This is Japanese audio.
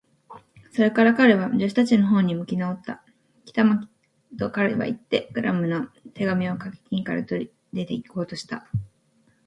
それから彼は、助手たちのほうに向きなおった。「きたまえ！」と、彼はいって、クラムの手紙をかけ金から取り、出ていこうとした。